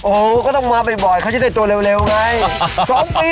โอ้โหก็ต้องมาบ่อยเขาจะได้ตัวเร็วไง